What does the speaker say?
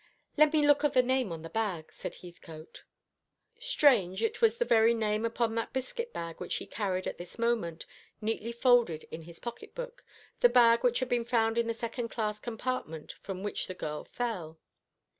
"Let me look at the name on the bag," said Heathcote. Strange, it was the very name upon that biscuit bag which he carried at this moment, neatly folded in his pocket book, the bag which had been found in the second class compartment from which the girl fell!